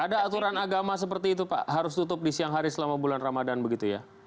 ada aturan agama seperti itu pak harus tutup di siang hari selama bulan ramadan begitu ya